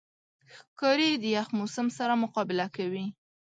ښکاري د یخ موسم سره مقابله کوي.